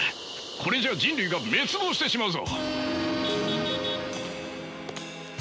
これじゃあ人類が滅亡してしまうぞ。